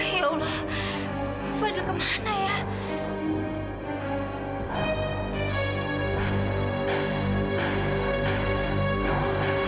ya allah fadil kemana ya